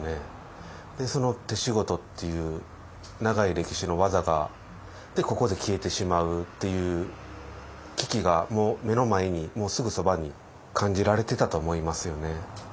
手仕事っていう長い歴史の技がここで消えてしまうっていう危機がもう目の前にすぐそばに感じられてたと思いますよね。